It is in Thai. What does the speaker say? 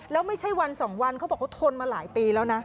แล้วไม่ใช่วันสองวันเขาบอกเขาทนมาหลายปีแล้วนะ